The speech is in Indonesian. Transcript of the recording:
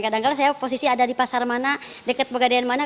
kadang kadang saya posisi ada di pasar mana dekat pegadaian mana